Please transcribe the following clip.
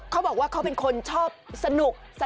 เขาบอกว่าเขาเป็นคนชอบสนุก